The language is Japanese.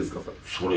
それ。